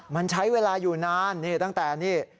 มันใช้เวลาอยู่นานนี่ตั้งแต่นี่